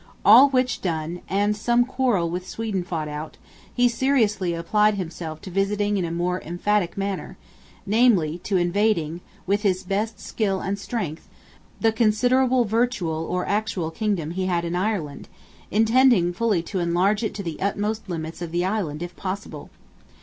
All which done, and some quarrel with Sweden fought out, he seriously applied himself to visiting in a still more emphatic manner; namely, to invading, with his best skill and strength, the considerable virtual or actual kingdom he had in Ireland, intending fully to enlarge it to the utmost limits of the Island if possible.